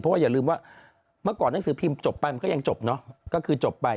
เพราะว่าอย่าลืมว่าเมื่อก่อนหนังสือพิมพ์จบไปมันก็ยังจบเนอะก็คือจบไป